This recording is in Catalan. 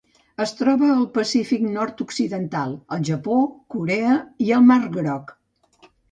Es troba al Pacífic nord-occidental: el Japó, Corea i el mar Groc.